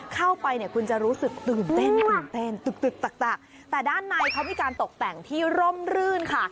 เข้าไปคุณจะรู้สึกตื่นเต้นแต่ด้านในเขามีการตกแต่งที่ร่มรื่นค่ะ